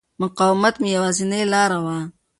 مقاومت مې یوازینۍ لاره وه.